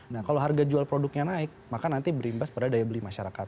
nah kalau harga jual produknya naik maka nanti berimbas pada daya beli masyarakat